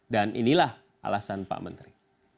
dan inilah alasan pak menteri